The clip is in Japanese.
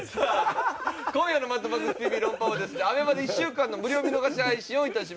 今夜の『マッドマックスＴＶ論破王』ですがＡＢＥＭＡで１週間の無料見逃し配信を致します。